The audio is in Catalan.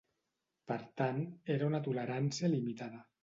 Per tant era una tolerància limitada.